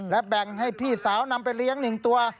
และแบ่งให้พี่สาวนำไปเลี้ยง๑ตัว